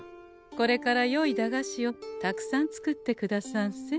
これからよい駄菓子をたくさん作ってくださんせ。